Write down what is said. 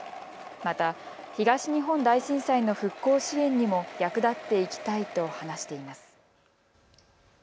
また東日本大震災の復興支援にも役立っていきたいと話しています。